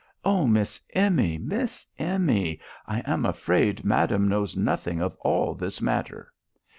Oh! Miss Emmy, Miss Emmy, I am afraid madam knows nothing of all this matter.